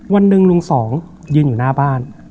วันหนึ่งลุงสองยืนอยู่หน้าบ้าน